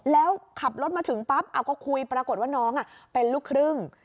แล้วขับรถมาถึงปั๊บก็คุยปรากฏว่าน้องเป็นลูกครึ่ง